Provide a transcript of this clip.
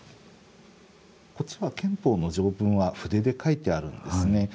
こっちは憲法の条文は筆で書いてあるんですね。